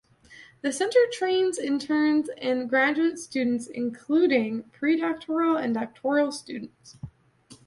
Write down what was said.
The center trains interns and graduate students, including pre-doctoral and doctoral students.